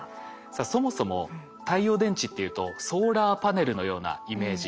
さあそもそも太陽電池っていうとソーラーパネルのようなイメージ。